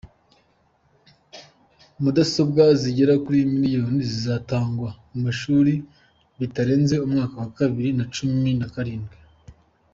Mudasobwa zigera kuri miliyoni zizatangwa mumashuri bitarenze umwaka wa bibiri na cumi nakarindwi